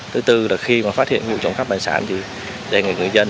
thứ tư là khi mà phát hiện vụ trộm cắp tài sản thì người dân